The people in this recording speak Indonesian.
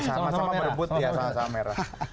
sama sama berebut biasa sama merah